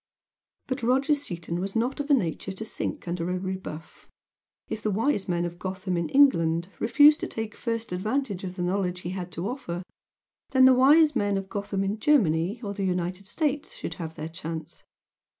But Roger Seaton was not of a nature to sink under a rebuff. If the Wise Men of Gotham in England refused to take first advantage of the knowledge he had to offer them, then the Wise Men of Gotham in Germany or the United States should have their chance.